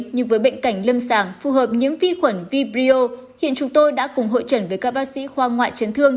nhưng với bệnh cảnh lâm sàng phù hợp nhiễm vi khuẩn vibrio hiện chúng tôi đã cùng hội trần với các bác sĩ khoa ngoại chấn thương